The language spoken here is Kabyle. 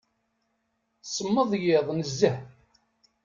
Semmeḍ yiḍ nezzeh.